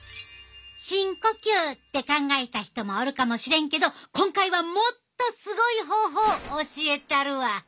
深呼吸って考えた人もおるかもしれんけど今回はもっとすごい方法教えたるわ。